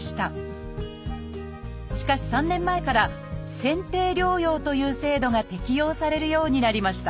しかし３年前から選定療養という制度が適用されるようになりました。